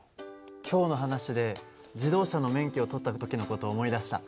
今日の話で自動車の免許を取った時の事を思い出した。